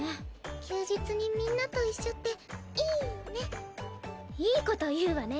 休日にみんなと一緒っていいねいいこと言うわね